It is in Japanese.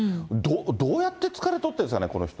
どうやって疲れ取ってんですかね、この人。